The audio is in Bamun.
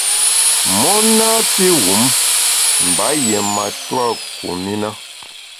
Mon napi wum mba yié matua kum i na.